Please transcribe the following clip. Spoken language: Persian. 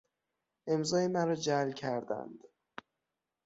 امضای مرا جعل کردند.